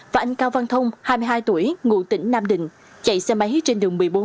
và anh cao văn thông hai mươi hai tuổi ngụ tỉnh nam định chạy xe máy trên đường một mươi bốn